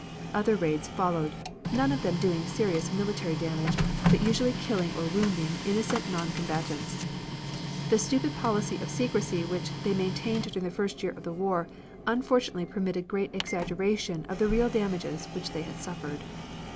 Other raids followed, none of them doing serious military damage, but usually killing or wounding innocent non combatants. The stupid policy of secrecy which they maintained during the first year of the war unfortunately permitted great exaggeration of the real damages which they had suffered.